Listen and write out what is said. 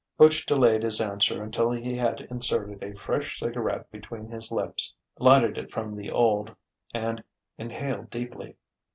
Butch delayed his answer until he had inserted a fresh cigarette between his lips, lighted it from the old, and inhaled deeply.